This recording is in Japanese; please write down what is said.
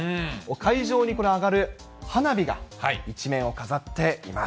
会場に上がる花火が一面を飾っています。